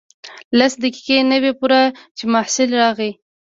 لس دقیقې نه وې پوره چې محصل راغی.